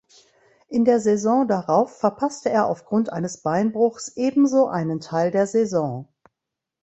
In der Saison darauf verpasste er aufgrund eines Beinbruchs ebenso einen Teil der Saison.